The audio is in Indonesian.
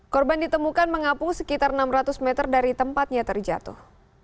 korban ditemukan mengapung sekitar enam ratus meter dari tempatnya terjatuh